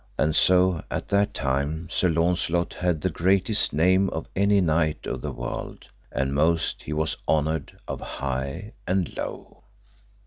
And so at that time Sir Launcelot had the greatest name of any knight of the world, and most he was honoured of high and low.